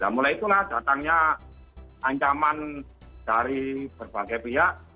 mulai itulah datangnya ancaman dari berbagai pihak